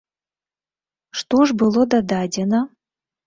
Што ж было дададзена?